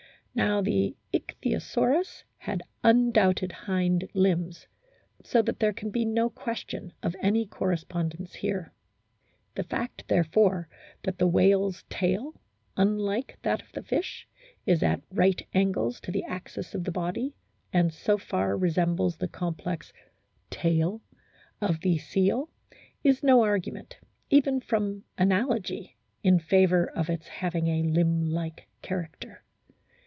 Now the Ichthyosaurus had undoubted hind limbs, so that there can be no question of any correspondence here. The fact, therefore, that the whale's tail, unlike that of the fish, is at right angles to the axis of the body, and so far resembles the complex "tail" of the seal is no argument, even from analogy, in favour of its having a limb like character.